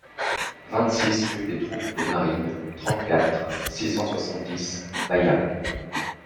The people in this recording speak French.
vingt-six rue des Troupes de Marines, trente-quatre, six cent soixante-dix, Baillargues